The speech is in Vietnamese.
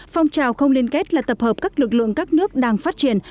phong trào không liên kết là tập hợp các lực lượng các nước đang phát triển